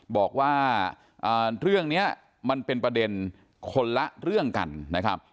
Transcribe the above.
บอกว่าเรื่องนี้มันเป็นประเด็นคนละเรื่องกันนะครับ